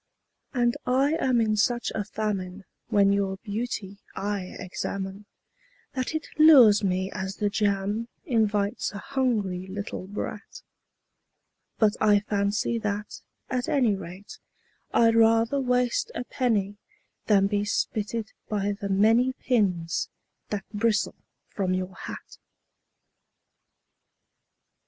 And I am in such a famine when your beauty I examine That it lures me as the jam invites a hungry little brat; But I fancy that, at any rate, I'd rather waste a penny Than be spitted by the many pins that bristle from your hat.